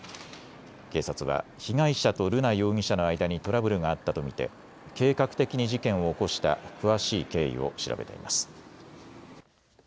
警察は被害者と瑠奈容疑者の間にトラブルがあったと見て計画的に事件を起こした詳しい経緯を調べています。